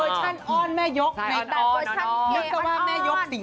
เวอร์ชั่นอ้อนแม่ยกแบบเวอร์ชั่นเยงออน